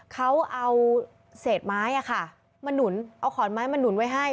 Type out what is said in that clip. เขาเอาเศษไม้มาหนุนเอาขอนไม้มาหนุนไว้ให้